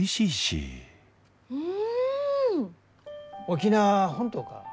沖縄は本島か？